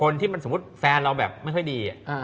สมมุติแฟนเราแบบไม่ค่อยดี